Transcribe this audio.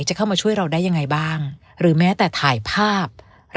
จะเข้ามาช่วยเราได้ยังไงบ้างหรือแม้แต่ถ่ายภาพ